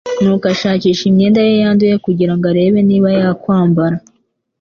nuko ashakisha imyenda ye yanduye kugira ngo arebe niba yakwambara